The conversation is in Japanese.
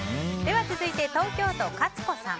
続いて、東京都の方。